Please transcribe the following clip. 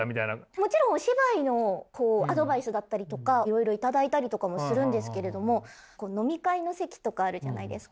もちろんお芝居のアドバイスだったりとかいろいろ頂いたりとかもするんですけれども飲み会の席とかあるじゃないですか。